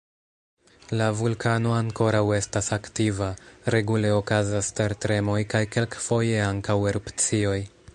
La vulkano ankoraŭ estas aktiva: regule okazas tertremoj kaj kelkfoje ankaŭ erupcioj.